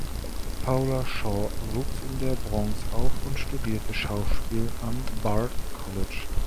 Paula Shaw wuchs in der Bronx auf und studierte Schauspiel am Bard College.